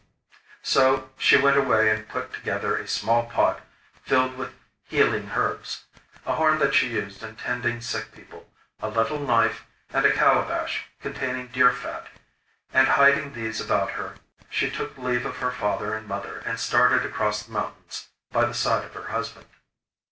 So she went away and put together a small pot filled with healing herms, a horn that she used in tending sick people, a little knife, and a calabash containing deer fat; and, hiding these about her, she took leave of her father and mother and started across the mountains by the side of her husband.